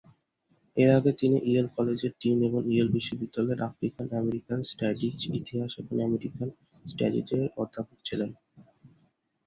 এর আগে, তিনি ইয়েল কলেজের ডিন এবং ইয়েল বিশ্ববিদ্যালয়ের আফ্রিকান আমেরিকান স্টাডিজ, ইতিহাস এবং আমেরিকান স্টাডিজের অধ্যাপক ছিলেন।